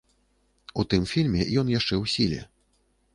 У тым фільме ён яшчэ ў сіле.